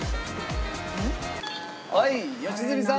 はい良純さん。